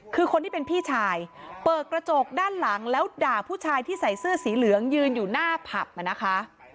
คือคนที่เป็นพี่ชายเปิดกระจกด้านหลังแล้วด่าผู้ชายที่ใส่เสื้อสีเหลืองยืนอยู่หน้าผับนะคะ